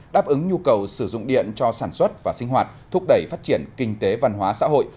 đáp ứng nhu cầu sử dụng điện cho sản xuất và sinh hoạt thúc đẩy phát triển kinh tế văn hóa xã hội